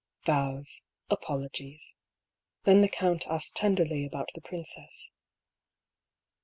Bows, apologies. Then the count asked tenderly about the princess.